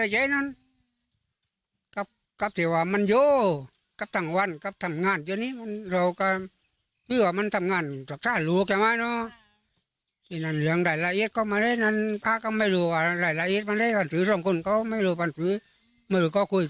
จะบอกว่าจิฟต์ไม่ประกันตัวแล้ว